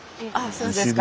そうですか。